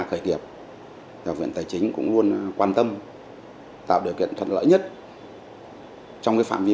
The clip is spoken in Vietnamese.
khởi nghiệp và viện tài chính cũng luôn quan tâm tạo điều kiện thuận lợi nhất trong cái phạm vi